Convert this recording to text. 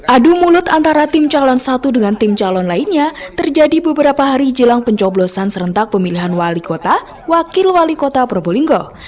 adu mulut antara tim calon satu dengan tim calon lainnya terjadi beberapa hari jelang pencoblosan serentak pemilihan wali kota wakil wali kota probolinggo